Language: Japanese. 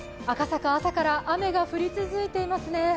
赤坂、朝から雨が降り続いていますね。